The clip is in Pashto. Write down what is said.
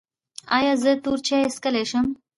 ایا زه تور چای څښلی شم؟